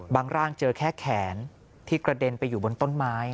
ร่างเจอแค่แขนที่กระเด็นไปอยู่บนต้นไม้